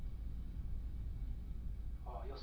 ああ予想